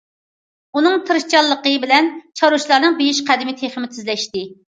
ئۇنىڭ تىرىشچانلىقى بىلەن، چارۋىچىلارنىڭ بېيىش قەدىمى تېخىمۇ تېزلەشتى.